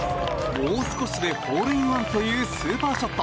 もう少しでホールインワンというスーパーショット。